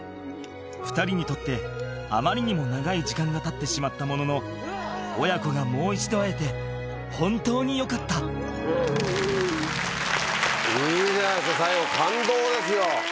２人にとってあまりにも長い時間がたってしまったものの親子がもう一度会えて本当によかったいいじゃないですか最後感動ですよ。